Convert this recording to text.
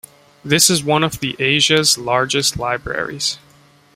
This is one of the Asia's largest libraries.